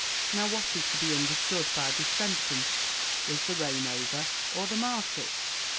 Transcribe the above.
Now what is to be understood by this sentence? Was the rain over? or the market?